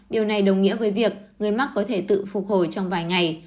điều này đồng nghĩa với việc người mắc có thể tự phục hồi trong vài ngày